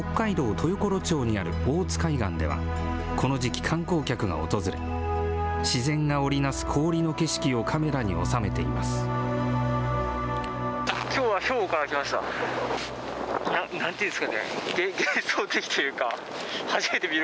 豊頃町にある大津海岸では、この時季、観光客が訪れ、自然が織り成す氷の景色をカメラに収めています。